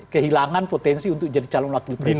kehilangan potensi untuk jadi calon wakil presiden